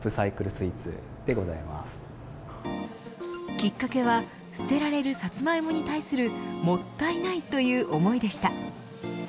きっかけは捨てられるサツマイモに対するもったいないという思いでした。